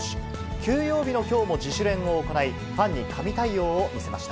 休養日のきょうも自主練を行い、ファンに神対応を見せました。